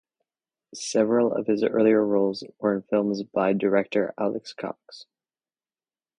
Several of his earlier roles were in films by director Alex Cox.